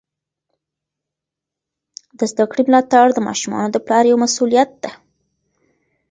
د زده کړې ملاتړ د ماشومانو د پلار یوه مسؤلیت ده.